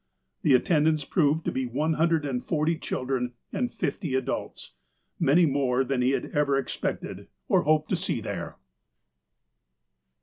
The attendance proved to be one hundred and forty children and fifty adults — many more than he had ever expected, or hoped to see there.